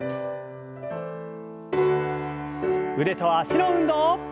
腕と脚の運動。